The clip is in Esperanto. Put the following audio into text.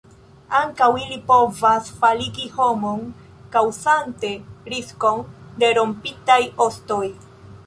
Ankaŭ ili povas faligi homon, kaŭzante riskon de rompitaj ostoj.